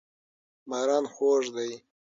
باران خوږ دی.